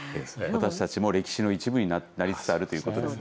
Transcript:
私たちも歴史の一部になりつつあるということですね。